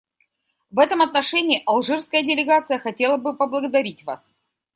В этом отношении алжирская делегация хотела бы поблагодарить вас,.